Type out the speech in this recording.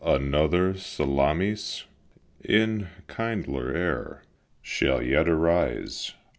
Another Salamis in kindlier air Shall yet arise.